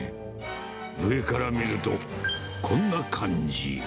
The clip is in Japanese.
上から見ると、こんな感じ。